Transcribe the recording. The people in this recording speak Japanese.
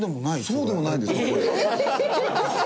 そうでもないんですか？